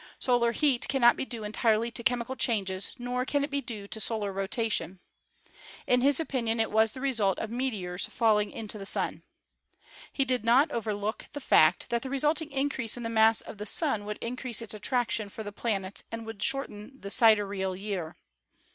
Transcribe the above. Solar heat cannot be due entirely to chemical changes, nor can it be due to solar rotation. In his opinion it was the result of meteors n6 ASTRONOMY falling into the Sun. He did not overlook the fact that the resulting increase in the mass of the Sun would in crease its attraction for the planets and would shorten the sidereal year.